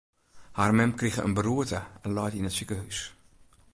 Har mem krige in beroerte en leit yn it sikehús.